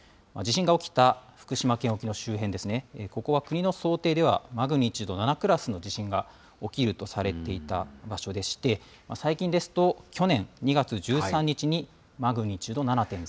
地震が起きた福島県沖の周辺ですね、ここは国の想定では、マグニチュード７クラスの地震が起きるとされていた場所でして、最近ですと、去年２月１３日にマグニチュード７．３。